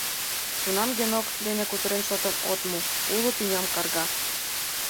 Тунам Генок дене кутырен шотым от му: уло тӱням карга.